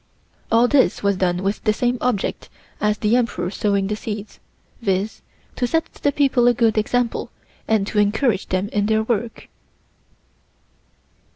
All this was done with the same object as the Emperor sowing the seeds, viz.: to set the people a good example and to encourage them in their work.